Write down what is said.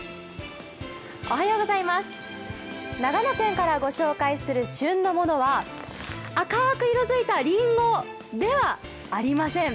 おはようございます、長野県からご紹介する旬のものは赤く色づいたりんご、ではありません。